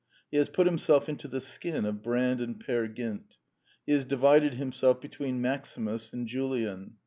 He has put himself into the skin of Brand and Peer Gynt. He has divided himself between Maximus and Julian.